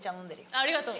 ありがとう。